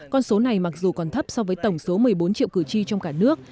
con số này mặc dù còn thấp so với tổng số một mươi bốn triệu cử tri trong cả nước